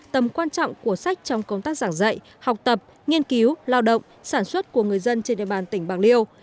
tầm quan trọng của sách trong công tác giảng dạy học tập nghiên cứu lao động sản xuất của người dân trên địa bàn tỉnh bạc liêu